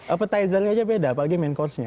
appetizer nya aja beda apalagi main course nya